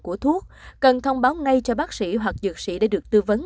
của thuốc cần thông báo ngay cho bác sĩ hoặc dược sĩ để được tư vấn